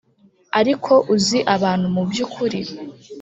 ariko uzi abantu mubyukuri